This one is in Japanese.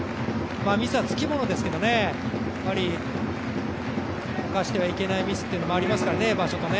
ミスはつきものですけどね、おかしてはいけないミスというものはありますね、場所とね。